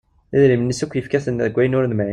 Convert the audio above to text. Idrimen-is akk yefka-ten deg ayen ur nemɛin.